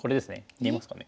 見えますかね？